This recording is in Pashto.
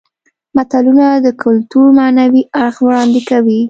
متلونه د کولتور معنوي اړخ وړاندې کوي